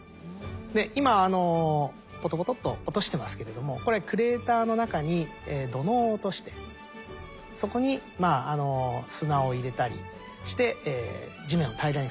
で今ポトポトっと落としてますけれどもこれクレーターの中に土のうを落としてそこに砂を入れたりして地面を平らにすると。